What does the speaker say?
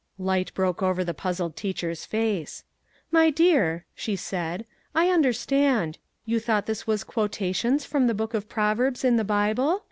Light broke over the puzzled teacher's face. "My dear," she said, "I understand; you thought this was quotations from the Book of Proverbs in the Bible